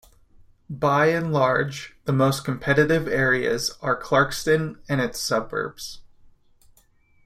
By and large, the most competitive areas are Clarkston and its suburbs.